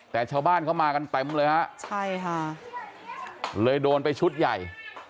แต่ชาวบ้านเขามากันเต็มเลยฮะใช่ค่ะเลยโดนไปชุดใหญ่